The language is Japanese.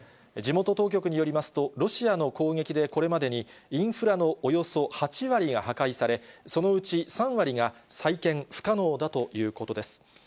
地元当局によりますと、ロシアの攻撃で、これまでに、インフラのおよそ８割が破壊され、そのうち３割が、再建不可能だということです。